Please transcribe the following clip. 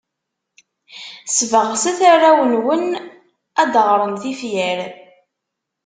Sbeɣset arraw-nwen ad d-ɣren tifyar.